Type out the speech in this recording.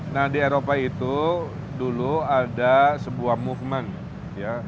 nah di eropa itu dulu ada sebuah movement ya